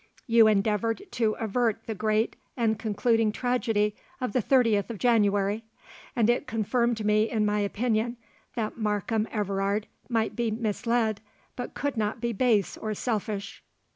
You endeavoured to avert the great and concluding tragedy of the 30th of January; and it confirmed me in my opinion, that Markham Everard might be misled, but could not be base or selfish."